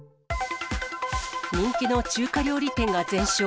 人気の中華料理店が全焼。